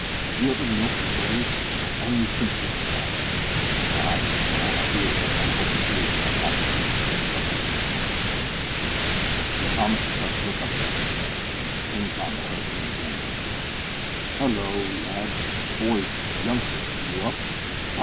Did you ever! Milk the keows! On'y think!" whispered Bob. "Ay, an' won't I do it with my mouth open too, an' learn 'ow to send the stream up'ards!" said Tim. Their comments were cut short by the breakfast bell; at the same time the hurricane again burst forth: "Hallo! lads boys! Youngsters! Are you up? ah!